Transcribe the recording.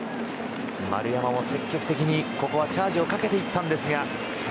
丸山も積極的にチャージをかけていったんですが。